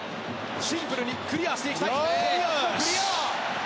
シンプルにクリアしていきたい。